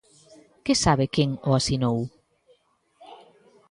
¿Que sabe quen o asinou?